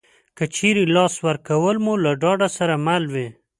که چېرې لاس ورکول مو له ډاډ سره مل وي